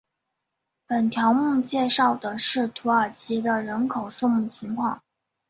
本条目介绍的是土耳其的人口数目情况。